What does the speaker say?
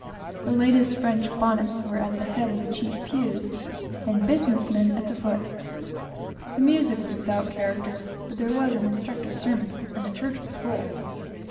The latest French bonnets were at the head of the chief pews, and business men at the foot. The music was without character, but there was an instructive sermon, and the church was full.